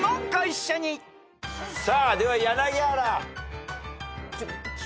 さあでは柳原。